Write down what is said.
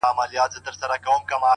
لوړ همت ماتې نه مني’